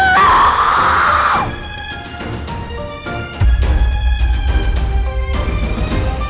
mama baru heads up